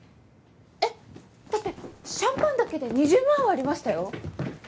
えっだってシャンパンだけで２０万はありましたよ。